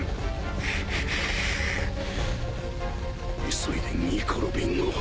急いでニコ・ロビンを。